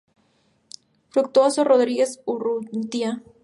Fructuoso Rodríguez Urrutia.